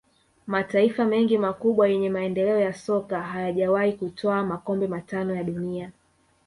Mataifa mengi makubwa yenye maendeleo ya soka hayajawahi kutwaa makombe matano ya dunia